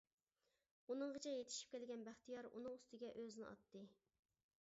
ئۇنىڭغىچە يېتىشىپ كەلگەن بەختىيار ئۇنىڭ ئۈستىگە ئۆزىنى ئاتتى.